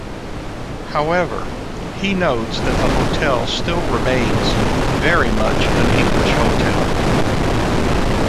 However, he notes that the hotel still remains "very much an English hotel".